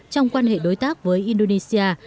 trong quan hệ đối tác với indonesia